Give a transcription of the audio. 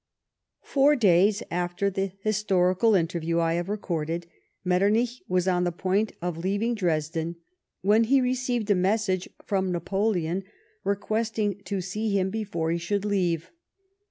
Four days after the historical interview I have recorded, IMetternich was on the point of leaving Dresden when he received a message from Napoleon requesting to see him before he should leave.